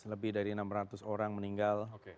lebih dari enam ratus orang meninggal